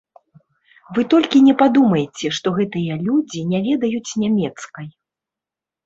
Вы толькі не падумайце, што гэтыя людзі не ведаюць нямецкай.